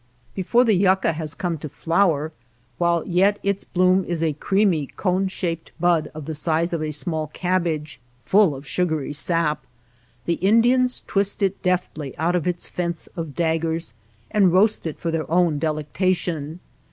Before the yucca has come to flower, while yet its bloom is a creamy cone shaped bud of the size of a small cabbage, full of sugary sap, the Indians twist it deftly out of its fence of daggers and roast it for their own delec tation.